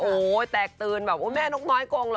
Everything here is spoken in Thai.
โอ้โหแตกตื่นแบบโอ้แม่นกน้อยกงเหรอ